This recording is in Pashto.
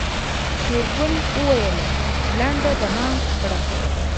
شېرګل وويل لنډه دمه کړه.